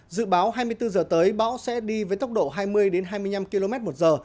dự báo hai mươi bốn giờ tới bão sẽ đi với tốc độ hai mươi hai mươi năm km một giờ